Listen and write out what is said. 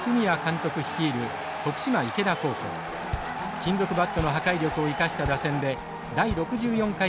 金属バットの破壊力を生かした打線で第６４回大会で優勝。